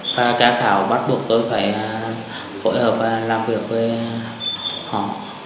các khảo bắt buộc tôi phải phối hợp và làm việc với họ